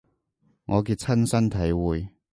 我嘅親身體會